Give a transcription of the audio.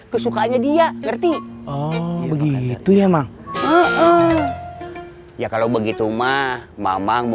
kesukaannya dia ngerti oh begitu ya emang ya kalau begitu mah mamang mau